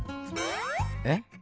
えっ？